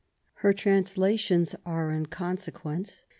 Her translations are, in consequence.